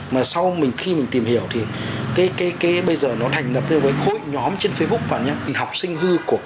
mà sau khi mình tìm hiểu thì cái bây giờ nó thành lập lên với khối nhóm trên facebook và học sinh hư của các trường trong đó có rất là nhiều trường